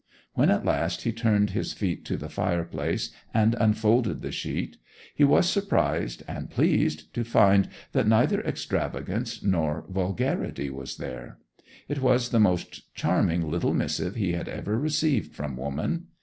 When at last he turned his feet to the fireplace and unfolded the sheet, he was surprised and pleased to find that neither extravagance nor vulgarity was there. It was the most charming little missive he had ever received from woman.